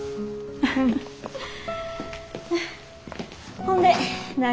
ほんで何？